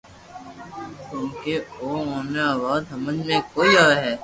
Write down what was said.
ڪونڪھ اوني آ وات ھمج ۾ ڪوئي آوي ھي